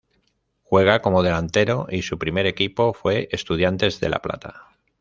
Juega como delantero y su primer equipo fue Estudiantes de La Plata.